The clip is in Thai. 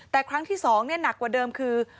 แต่ครั้งที่๒หนักกว่าเดิมคือ